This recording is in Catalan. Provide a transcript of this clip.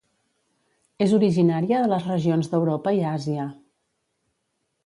És originària de les regions d'Europa i Àsia.